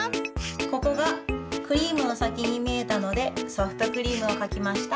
ここがクリームのさきにみえたのでソフトクリームをかきました。